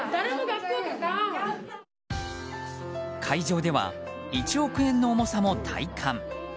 会場では１億円の重さも体感。